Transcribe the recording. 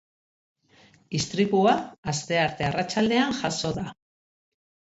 Istripua astearte arratsaldean jazo da.